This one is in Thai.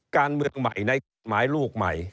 การเมืองใหม่ในกฎหมายลูกใหม่